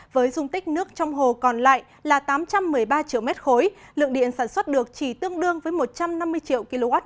với dung tích nước trong hồ còn lại là tám trăm một mươi ba triệu m ba lượng điện sản xuất được chỉ tương đương với một trăm năm mươi triệu kwh